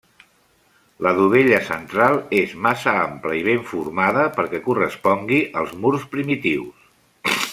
La dovella central és massa ampla i ben formada perquè correspongui als murs primitius.